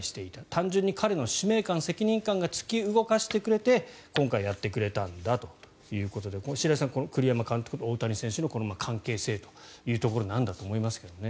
単純に彼の使命感、責任感がつき動かしてくれて、今回やってくれたんだということで白井さん、栗山監督と大谷さんの関係性ということなんだと思いますけどね。